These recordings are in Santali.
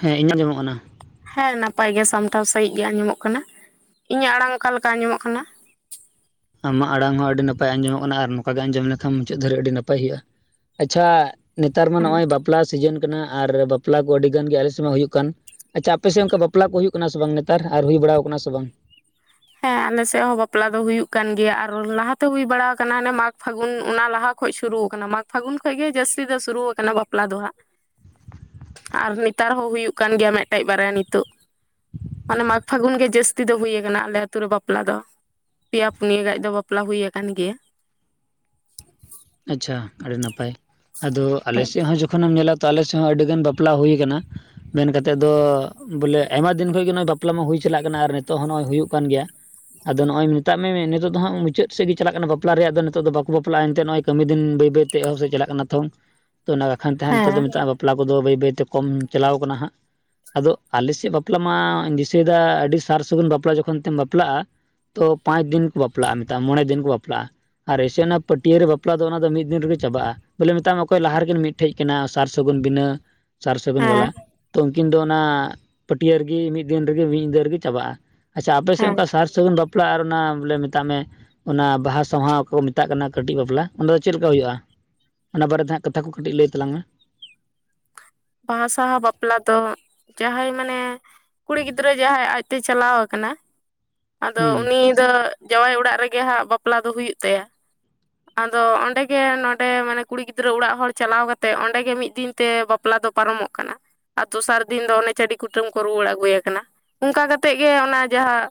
ᱦᱮᱸ ᱤᱧᱟᱹᱜ ᱟᱡᱚᱢᱚᱜ ᱠᱟᱱᱟ᱾ ᱦᱮᱸ ᱱᱟᱯᱟᱭ ᱜᱮ ᱥᱟᱢᱴᱟᱣ ᱥᱟᱺᱦᱤᱡ ᱜᱮ ᱟᱸᱡᱚᱢᱚᱜ ᱠᱟᱱᱟ᱾ ᱤᱧᱟᱹᱜ ᱟᱲᱟᱝ ᱚᱠᱟ ᱞᱮᱠᱟ ᱟᱸᱡᱚᱢᱚᱜ ᱠᱟᱱᱟ? ᱟᱢᱟᱜ ᱟᱲᱟᱝ ᱦᱚᱸ ᱟᱹᱰᱤ ᱱᱟᱯᱟᱭ ᱟᱸᱡᱚᱢᱚᱜ ᱠᱟᱱᱟ ᱟᱨ ᱱᱚᱝᱠᱟ ᱜᱮ ᱟᱸᱡᱚᱢ ᱞᱮᱱᱠᱷᱟᱱ ᱢᱩᱪᱟᱹᱫ ᱫᱷᱵᱤᱡ ᱟᱹᱰᱤ ᱱᱟᱯᱟᱭ ᱦᱩᱭᱩᱜᱼᱟ᱾ ᱟᱪᱪᱷᱟ ᱱᱮᱛᱟᱨ ᱢᱟ ᱱᱚᱜᱼᱚᱭ ᱵᱟᱯᱞᱟ ᱥᱤᱡᱤᱱ ᱠᱟᱱᱟ ᱟᱨ ᱵᱟᱯᱞᱟ ᱠᱚ ᱟᱹᱰᱤ ᱜᱟᱱ ᱜᱮ ᱟᱞᱮ ᱥᱮᱫ ᱢᱟ ᱦᱩᱭᱩᱜ ᱠᱟᱱ᱾ ᱟᱪᱪᱷᱟ ᱟᱯᱮᱥᱮᱫ ᱚᱱᱠᱟ ᱵᱟᱯᱞᱟ ᱦᱩᱭᱩᱜ ᱠᱟᱱᱟ ᱥᱮ ᱵᱟᱝ? ᱱᱮᱛᱟᱨ ᱟᱨ ᱦᱩᱭ ᱵᱟᱲᱟᱣ ᱟᱠᱟᱱᱟ ᱥᱮ ᱵᱟᱝ? ᱦᱮᱸ ᱟᱞᱮᱥᱮᱫ ᱦᱚᱸ ᱵᱟᱯᱞᱟ ᱫᱚ ᱦᱩᱭᱩᱜ ᱠᱟᱱ ᱜᱮᱭᱟ ᱟᱨ ᱞᱟᱦᱟᱛᱮ ᱦᱩᱭ ᱵᱟᱲᱟ ᱟᱠᱟᱱᱟ᱾ ᱦᱟᱱᱮ ᱢᱟᱜᱽ ᱯᱷᱟᱹᱜᱩᱱ ᱚᱱᱟ ᱞᱟᱦᱟ ᱠᱷᱚᱡ ᱥᱩᱨᱩ ᱠᱟᱱᱟ, ᱢᱟᱜᱽ ᱯᱷᱟᱹᱜᱩᱱ ᱠᱷᱚᱱ ᱜᱮ ᱡᱟᱹᱥᱛᱤ ᱫᱚ ᱥᱩᱨᱩ ᱟᱠᱟᱱᱟ᱾ ᱵᱟᱯᱞᱟ ᱫᱚ ᱦᱟᱸᱜ ᱟᱨ ᱱᱮᱛᱟᱨ ᱦᱚᱸ ᱦᱩᱭᱩᱜ ᱠᱟᱱ ᱜᱮᱭᱟ ᱢᱤᱫᱴᱮᱡ ᱵᱟᱨᱭᱟ ᱱᱤᱛᱚᱜ᱾ ᱢᱟᱱᱮ ᱢᱟᱜᱽ ᱯᱷᱟᱹᱜᱩᱱ ᱜᱮ ᱡᱟᱹᱥᱛᱤ ᱫᱚ ᱦᱩᱭ ᱟᱠᱟᱱᱟ᱾ ᱟᱞᱮ ᱟᱹᱛᱩ ᱨᱮ ᱵᱟᱯᱞᱟ ᱫᱚ ᱯᱮᱭᱟ ᱯᱩᱱᱭᱟᱹ ᱜᱮᱡ ᱫᱚ ᱵᱟᱯᱞᱟ ᱦᱩᱭᱩ ᱟᱠᱟᱱ ᱜᱮᱭᱟ᱾ ᱟᱪᱪᱷᱟ ᱟᱹᱰᱤ ᱱᱟᱯᱟᱭ ᱾ᱟᱫᱚ ᱟᱞᱮ ᱥᱮᱫ ᱦᱚᱸ ᱡᱚᱠᱷᱚᱱᱮᱢ ᱧᱮᱞᱟ᱾ ᱛᱚ ᱟᱞᱮ ᱥᱮᱫ ᱦᱚᱸ ᱟᱹᱰᱤ ᱜᱟᱱ ᱵᱟᱯᱞᱟ ᱦᱩᱭ ᱟᱠᱟᱱᱟ᱾ ᱢᱮᱱ ᱠᱟᱛᱮᱜ ᱫᱚ ᱵᱚᱞᱮ ᱟᱭᱢᱟ ᱫᱤᱱ ᱠᱷᱚᱱ ᱜᱮ ᱵᱟᱯᱞᱟ ᱢᱟ ᱦᱩᱭ ᱪᱟᱞᱟᱜ ᱠᱟᱱᱟ ᱟᱨ ᱱᱤᱛᱚᱜ ᱦᱚᱸ ᱱᱚᱜᱼᱚᱭ ᱦᱩᱭᱩᱜ ᱠᱟᱱ ᱜᱮᱭᱟ᱾ ᱟᱫᱚ ᱱᱚᱜᱼᱚᱭ ᱢᱮᱛᱟᱜ ᱢᱮ ᱱᱤᱛᱚᱜ ᱫᱚ ᱦᱟᱸᱜ ᱢᱩᱪᱟᱹᱫ ᱥᱮᱫ ᱜᱮ ᱪᱟᱞᱟᱜ ᱠᱟᱱᱟ᱾ ᱵᱟᱯᱞᱟ ᱨᱮᱭᱟᱜ ᱫᱚ ᱱᱤᱛᱚᱜ ᱫᱚ ᱵᱟᱠᱚ ᱵᱟᱯᱞᱟᱜᱼᱟ᱾ ᱮᱛᱮ ᱱᱚᱜ-ᱚᱭ ᱠᱟᱹᱢᱤ ᱫᱤᱱ ᱵᱟᱹᱭ ᱵᱟᱹᱭᱛᱮ ᱮᱦᱚᱵ ᱥᱮᱫ ᱪᱟᱞᱟᱜ ᱠᱟᱱᱟ᱾ ᱛᱚ, ᱚᱱᱟ ᱵᱟᱠᱷᱟᱱ ᱛᱟᱦᱮᱸ ᱱᱤᱛᱚᱜ ᱦᱮᱸ ᱫᱚ ᱢᱮᱛᱟᱜᱼᱟ ᱵᱟᱯᱞᱟ ᱠᱚᱫᱚ ᱵᱟᱹᱭ ᱵᱟᱹᱭᱛᱮ ᱠᱚᱢ ᱪᱟᱞᱟᱣ ᱠᱟᱱᱟ ᱦᱟᱸᱜ᱾ ᱟᱫᱚ ᱟᱞᱮ ᱥᱮᱫ ᱵᱟᱯᱞᱟ ᱢᱟᱧ ᱫᱤᱥᱟᱹᱭᱮᱫᱟ ᱟᱹᱰᱤ ᱥᱟᱨ ᱥᱟᱹᱜᱩᱱ ᱵᱟᱯᱞᱟ ᱡᱚᱠᱷᱚᱱ ᱛᱮᱢ ᱵᱟᱯᱞᱟᱜᱼᱟ᱾ ᱛᱚ ᱯᱟᱸᱪ ᱫᱤᱱ ᱠᱚ ᱵᱟᱯᱞᱟᱜᱼᱟ᱾ ᱢᱮᱛᱟᱜᱼᱟ ᱢᱚᱬᱮ ᱫᱤᱱ ᱠᱚ ᱵᱟᱯᱞᱟᱜᱼᱟ ᱟᱨ ᱮᱥᱮ ᱚᱱᱟ ᱯᱟᱹᱴᱤᱭᱟᱹᱨ ᱨᱮ ᱵᱟᱠ ᱵᱟᱯᱞᱟ ᱫᱚ ᱚᱱᱟ ᱫᱚ ᱢᱤᱫ ᱫᱤᱱ ᱨᱮᱜᱮ ᱪᱟᱵᱟᱜᱼᱟ᱾ ᱵᱚᱞᱮ ᱢᱮᱛᱟᱢᱟ ᱚᱠᱚᱭ ᱞᱟᱦᱟ ᱨᱮᱠᱤᱱ ᱢᱤᱫᱴᱷᱮᱱ ᱠᱟᱱᱟ ᱥᱟᱨ ᱥᱟᱹᱜᱩᱱ ᱵᱤᱱᱟᱹ ᱥᱟᱨ ᱥᱟᱹᱜᱩᱱ ᱦᱮᱸ ᱵᱟᱞᱟ ᱛᱚ ᱩᱱᱠᱤᱱ ᱫᱚ ᱚᱱᱟ ᱯᱟᱹᱴᱤᱭᱟᱹ ᱨᱮᱜᱮ ᱢᱤᱫ ᱫᱤᱱ ᱨᱮᱜᱮ ᱢᱤᱫ ᱧᱤᱫᱟᱹ ᱨᱮᱜᱮ ᱪᱟᱵᱟᱜᱼᱟ᱾ ᱟᱪᱪᱷᱟ ᱟᱯᱮᱥᱮᱫ ᱦᱮᱸ ᱚᱱᱠᱟ ᱥᱟᱨ ᱥᱟᱹᱜᱩᱱ ᱵᱟᱯᱞᱟ ᱟᱨ ᱚᱱᱟ ᱵᱚᱞᱮ ᱢᱮᱛᱟᱜ ᱢᱮ ᱚᱱᱟ ᱵᱟᱦᱟ ᱥᱟᱸᱦᱟᱣ ᱚᱠᱟ ᱠᱚ ᱢᱮᱛᱟᱜ ᱠᱟᱱᱟ ᱠᱟᱹᱴᱤᱡ ᱵᱟᱯᱞᱟ᱾ ᱚᱱᱟ ᱫᱚ ᱪᱮᱫ ᱞᱮᱠᱟ ᱦᱩᱭᱩᱜᱼᱟ ᱚᱱᱟ ᱵᱟᱨᱮᱛᱮ ᱦᱟᱸᱜ ᱠᱟᱛᱷᱟ ᱠᱚ ᱠᱟᱹᱴᱤᱡ ᱞᱟᱹᱭ ᱛᱟᱞᱟᱝ ᱢᱮ᱾ ᱵᱟᱦᱟ ᱥᱟᱦᱟ ᱵᱟᱯᱞᱟ ᱫᱚ ᱡᱟᱦᱟᱸᱭ ᱢᱟᱱᱮ ᱠᱩᱲᱤ ᱜᱤᱫᱽᱨᱟᱹ ᱡᱟᱦᱟᱸᱭ ᱟᱡᱛᱮ ᱪᱟᱞᱟᱣ ᱟᱠᱟᱱᱟ᱾ ᱟᱫᱚ ᱦᱮᱸ ᱩᱱᱤ ᱫᱚ ᱡᱟᱶᱟᱭ ᱚᱲᱟᱜ ᱨᱮᱜᱮ ᱦᱟᱸᱜ ᱵᱟᱯᱞᱟ ᱫᱚ ᱦᱩᱭᱩᱜ ᱛᱟᱭᱟ᱾ ᱟᱫᱚ ᱚᱸᱰᱮᱜᱮ ᱱᱚᱰᱮ ᱢᱟᱱᱮ ᱠᱩᱲᱤ ᱜᱤᱫᱽᱨᱟᱹ ᱚᱲᱟᱜ ᱦᱚᱲ ᱪᱟᱞᱟᱣ ᱠᱟᱛᱮᱜ ᱚᱸᱰᱮᱜ ᱢᱤᱫ ᱫᱤᱱ ᱛᱮ [unintelligible] ᱵᱟᱯᱞᱟ ᱫᱚ ᱯᱟᱨᱚᱢᱚᱜ ᱠᱟᱱᱟ᱾ ᱫᱚᱥᱟᱨ ᱫᱤᱱ ᱫᱚ ᱚᱱᱮ ᱪᱟᱹᱰᱤ ᱠᱩᱴᱟᱹᱢ ᱠᱚ ᱨᱩᱣᱟᱹᱲ ᱟᱹᱜᱩᱭᱮ ᱠᱟᱱᱟ᱾ ᱚᱱᱠᱟ ᱠᱟᱛᱮᱜ ᱜᱮ ᱚᱱᱟ ᱡᱟᱦᱟᱸ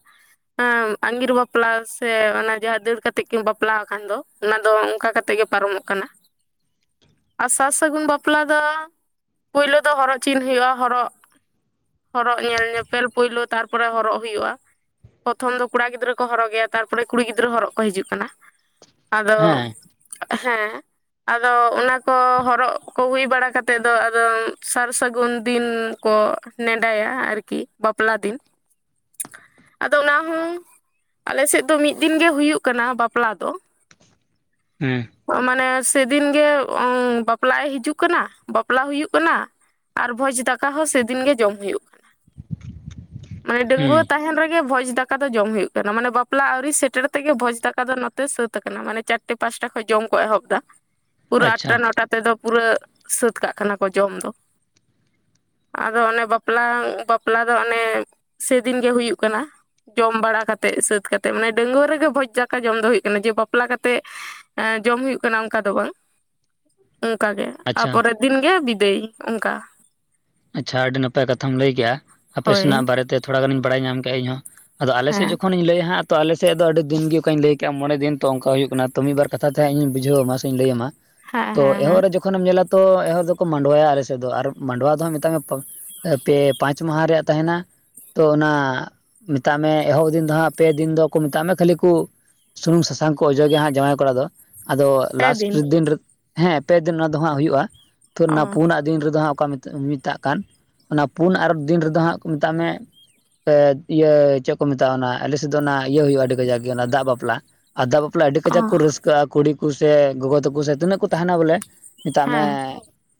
ᱟᱜᱤᱨ ᱵᱟᱯᱞᱟ ᱥᱮ ᱚᱱᱟ ᱡᱟᱦᱟᱸ ᱫᱟᱹᱲ ᱠᱟᱛᱮᱜ ᱠᱤᱱ ᱵᱟᱯᱞᱟ ᱟᱠᱟᱱ ᱫᱚ᱾ ᱚᱱᱟ ᱫᱚ ᱚᱱᱠᱟ ᱠᱟᱛᱮ ᱜᱮ ᱯᱟᱨᱚᱢᱚᱜ ᱠᱟᱱᱟ ᱟᱨ ᱥᱟᱨ ᱥᱟᱹᱜᱩᱱ ᱵᱟᱯᱞᱟ ᱫᱚ ᱯᱩᱭᱞᱳ ᱫᱚ ᱦᱚᱨᱚᱜ ᱪᱤᱱ ᱦᱩᱭᱩᱜᱚᱜᱼᱟ᱾ ᱦᱚᱨᱚᱜ ᱦᱚᱨᱚᱜ ᱧᱮᱞ ᱧᱮᱯᱮᱞ ᱯᱩᱭᱞᱳ ᱛᱟᱨᱯᱚᱨᱮ ᱦᱚᱨᱚᱜ ᱦᱩᱭᱩᱜᱼᱟ᱾ ᱯᱨᱚᱛᱷᱚᱢ ᱫᱚ ᱠᱚᱲᱟ ᱜᱤᱫᱽᱨᱟᱹ ᱠᱚᱲ ᱦᱚᱨᱚᱜ ᱜᱮᱭᱟ᱾ ᱛᱟᱨᱯᱚᱨᱮ ᱠᱩᱲᱤ ᱜᱤᱫᱽᱨᱟᱹ ᱦᱚᱨᱚᱜ ᱠᱚ ᱦᱤᱡᱩᱜ ᱠᱟᱱᱟ᱾ ᱟᱫᱚ ᱦᱮᱸ ᱦᱮᱸ ᱟᱫᱚ ᱚᱱᱟ ᱠᱚ ᱦᱚᱨᱚᱜ ᱠᱚ ᱦᱩᱭ ᱵᱟᱲᱟ ᱠᱟᱛᱮᱫ ᱫᱚ ᱟᱫ ᱥᱟᱨ ᱥᱟᱹᱜᱩᱱ ᱫᱤᱱ ᱠᱚ ᱱᱮᱰᱟᱭᱟ ᱟᱨᱠᱤ ᱵᱟᱯᱞᱟ ᱫᱤᱱ᱾ ᱟᱫᱚ ᱚᱱᱟ ᱦᱚᱸ ᱟᱞᱮᱥᱮᱫ ᱫᱚ ᱢᱤᱫ ᱫᱤᱱ ᱜᱮ ᱦᱩᱭᱩᱜ ᱠᱟᱱᱟ ᱵᱟᱯᱞᱟ ᱫᱚ᱾ ᱦᱮᱸ ᱢᱟᱱᱮ ᱥᱮᱫᱤᱱ ᱜᱮ ᱵᱟᱯᱞᱟᱭ ᱮ ᱦᱤᱡᱩᱜ ᱠᱟᱱᱟ᱾ ᱵᱟᱯᱞᱟ ᱦᱩᱭᱩᱜ ᱠᱟᱱᱟ ᱟᱨ ᱵᱷᱚᱡᱽ ᱫᱟᱠᱟ ᱦᱚᱸ ᱥᱮᱫᱤᱱ ᱜᱮ ᱡᱚᱢ ᱦᱩᱭᱩᱜ ᱠᱟᱱᱟ᱾ ᱢᱟᱱᱮ ᱦᱮᱸ ᱰᱟᱹᱝᱜᱩᱣᱟᱹ ᱛᱟᱦᱮᱱ ᱨᱮᱜᱮ ᱵᱷᱚᱡᱽ ᱫᱟᱠᱟ ᱫᱟᱠᱟ ᱫᱚ ᱡᱚᱢ ᱦᱩᱭᱩᱜ ᱠᱟᱱᱟ᱾ ᱢᱟᱱᱮ ᱵᱟᱯᱞᱟ ᱟᱹᱣᱨᱤ ᱥᱮᱴᱮᱨ ᱛᱮᱜᱮ ᱵᱷᱚᱡᱽ ᱫᱟᱠᱟ ᱫᱚ ᱱᱚᱛᱮ ᱥᱟᱹᱛ ᱟᱠᱟᱱᱟ᱾ ᱢᱟᱱᱮ ᱪᱟᱴᱴᱟ ᱯᱟᱸᱪᱴᱟ ᱠᱷᱚᱱ ᱡᱚᱢ ᱠᱚ ᱮᱦᱚᱵ ᱮᱫᱟ᱾ ᱯᱩᱨᱟᱹ ᱟᱪᱪᱷᱟ ᱟᱴᱴᱟ ᱱᱚᱴᱟ ᱛᱮᱫᱚ ᱯᱩᱨᱟᱹ ᱯᱩᱨᱟᱹᱣ ᱠᱟᱜ ᱠᱟᱱᱟ ᱠᱚ ᱡᱚᱢ ᱫᱚ ᱟᱫᱚ ᱚᱱᱮ ᱵᱟᱯᱞᱟ ᱵᱟᱯᱞᱟ ᱫᱚ ᱚᱱᱮ ᱥᱮᱫᱤᱱ ᱜᱮ ᱦᱩᱭᱩᱜ ᱠᱟᱱᱟ᱾ ᱡᱚᱢ ᱵᱟᱲᱟ ᱠᱟᱛᱮᱜ ᱥᱟᱹᱛ ᱠᱟᱛᱮᱫ ᱢᱟᱱᱮ ᱰᱟᱹᱝᱜᱩᱣ ᱨᱮᱜᱮ ᱵᱷᱚᱡᱽ ᱫᱟᱠᱟ ᱡᱚᱢ ᱫᱚ ᱦᱩᱭᱩᱜ ᱠᱟᱱᱟ᱾ ᱡᱮ ᱵᱟᱯᱞᱟ ᱠᱟᱛᱮᱫ ᱮ ᱡᱚᱢ ᱦᱩᱭᱩᱜ ᱠᱟᱱᱟ ᱚᱱᱠᱟ ᱫᱚ ᱵᱟᱝ ᱚᱱᱠᱟ ᱜᱮ ᱟᱨ ᱟᱪᱪᱷᱟ ᱯᱚᱨᱮᱨ ᱫᱤᱱ ᱜᱮ ᱵᱤᱫᱟᱹᱭ ᱚᱱᱠᱟ ᱟᱪᱪᱷᱟ ᱟᱹᱰᱤ ᱱᱟᱯᱟᱭ ᱠᱟᱛᱷᱟᱢ ᱞᱟᱹᱭ ᱠᱮᱫᱮᱜᱼᱟ ᱟᱯᱮ ᱦᱳᱭ ᱥᱮᱱᱟᱜ ᱵᱟᱨᱮ ᱛᱮ ᱛᱷᱚᱲᱟ ᱜᱟᱱᱤᱧ ᱵᱟᱲᱟᱭ ᱧᱟᱢ ᱠᱼᱟ ᱤᱧᱦᱚᱸ ᱟᱫᱚ ᱟᱞᱮᱥᱮᱫ ᱦᱮᱸ ᱡᱚᱠᱷᱚᱱᱤᱧ ᱞᱮᱭᱟᱹ ᱦᱟᱜ ᱛᱚ ᱟᱞᱮ ᱥᱮᱫ ᱫᱚ ᱟᱹᱰᱤ ᱫᱤᱱ ᱜᱮ ᱚᱱᱠᱟᱧ ᱞᱟᱹᱭ ᱠᱟᱜᱼᱟ ᱢᱚᱬᱮ ᱫᱤᱱ ᱛᱚ ᱚᱱᱠᱟ ᱦᱩᱭᱩᱜ ᱠᱟᱱᱟ ᱛᱚ ᱢᱤᱫᱵᱟᱨ ᱠᱟᱛᱷᱟ ᱛᱮ ᱦᱟᱸᱜ ᱤᱧ ᱵᱩᱡᱷᱟᱹᱣ ᱟᱢᱟ ᱥᱮ ᱤᱧᱤᱧ ᱞᱟᱹᱭ ᱟᱢᱟ ᱦᱮᱸ ᱛᱚ ᱦᱮᱸ ᱮᱦᱚᱵ ᱦᱮᱸ ᱨᱮ ᱡᱚᱠᱷᱚᱱ ᱮᱢ ᱧᱮ ᱛᱚ ᱮᱦᱚᱵ ᱫᱚᱠᱚ ᱢᱟᱰᱣᱟᱭᱟ ᱟᱞᱮ ᱥᱮᱫ ᱫᱚ ᱟᱨ ᱢᱟᱰᱣᱟ ᱫᱚ ᱯᱮ ᱯᱟᱸᱪ ᱢᱟᱦᱟ ᱨᱮᱭᱟᱜ ᱛᱟᱦᱮᱱᱟ ᱛᱚ ᱚᱱᱟ ᱢᱮᱛᱟᱜ ᱢᱮ ᱮᱦᱚᱵ ᱫᱤᱱ ᱫᱚ ᱦᱜ ᱯᱮ ᱫᱤᱱ ᱫᱚ ᱢᱮᱛᱟᱜ ᱢᱮ ᱠᱷᱟᱹᱞᱤ ᱠᱚ ᱥᱩᱱᱩᱢ ᱥᱟᱥᱟᱝ ᱠᱚ ᱚᱡᱚᱜᱮᱭᱟ ᱦᱟᱸᱜ ᱡᱟᱶᱟᱭ ᱠᱚᱲᱟ ᱫᱚ᱾ ᱟᱫᱚ ᱞᱟᱥᱴ ᱫᱤᱱ ᱨᱮ ᱦᱮᱸ ᱯᱮᱫᱤᱱ ᱚᱱᱟ ᱫᱚ ᱦᱟᱜ ᱦᱩᱭᱩᱜᱼᱟ ᱛᱚ ᱚ ᱚᱱᱟ ᱯᱩᱱᱟᱜ ᱫᱤᱱ ᱨᱮ ᱫᱚ ᱦᱟᱸᱜ ᱚᱠᱟ ᱢᱮᱛᱟᱜ ᱠᱟᱱ ᱚᱱᱟ ᱯᱩᱱ ᱟᱨ ᱫᱤᱱ ᱨᱮ ᱫᱚ ᱦᱟᱸᱜ ᱢᱮᱛᱟᱜ ᱢᱮ ᱤᱭᱟᱹ ᱪᱮᱫ ᱠᱚ ᱢᱮᱛᱟᱜᱼᱟ ᱚᱱᱟ ᱟᱞᱮ ᱥᱮᱫ ᱫᱚ ᱚᱱᱟ ᱤᱭᱟᱹ ᱦᱩᱭᱩᱜᱼᱟ ᱟᱹᱰᱤ ᱠᱟᱡᱟᱠ ᱜᱮ ᱚᱱᱟ ᱫᱟᱜ ᱵᱟᱯᱞᱟ ᱟ ᱫᱟᱜ ᱵᱟᱯᱞᱟ ᱟᱹᱰᱤ ᱚ ᱠᱟᱡᱟᱠ ᱠᱚ ᱨᱟᱹᱥᱠᱟᱹᱜᱼᱟ ᱠᱩᱲᱤ ᱠᱚ ᱥᱮ ᱜᱚᱜᱚ ᱛᱟᱠᱚ ᱥᱮ ᱛᱤᱱᱟᱹᱜ ᱠᱚ ᱛᱟᱦᱮᱱᱟ ᱵᱚᱞᱮ ᱢᱮᱛᱟᱜ ᱢᱮ ᱦᱮᱸ